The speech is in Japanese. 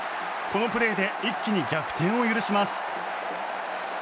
このプレーで一気に逆転を許します。